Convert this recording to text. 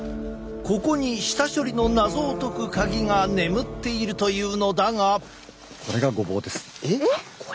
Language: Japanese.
ここに下処理の謎を解く鍵が眠っているというのだが。